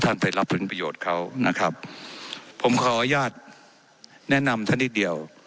ไปรับผลประโยชน์เขานะครับผมขออนุญาตแนะนำท่านนิดเดียว